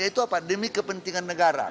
yaitu apa demi kepentingan negara